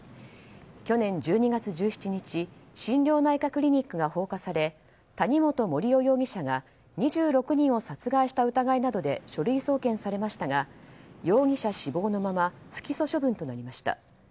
去年１２月１７日心療内科クリニックが放火され谷本盛雄容疑者が２６人を殺害した疑いなどで書類送検されましたが容疑者死亡のまま不起訴処分となりました。